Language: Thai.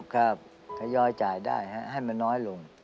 ครับทยอยจ่ายได้ให้มันน้อยลง